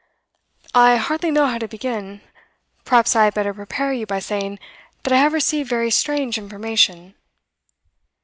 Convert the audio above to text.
'I hardly know how to begin. Perhaps I had better prepare you by saying that I have received very strange information.